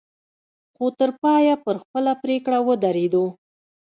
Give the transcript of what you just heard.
خو تر پايه پر خپله پرېکړه ودرېدو.